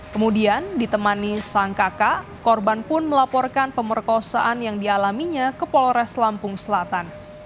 kemudian ditemani sang kakak korban pun melaporkan pemerkosaan yang dialaminya ke polres lampung selatan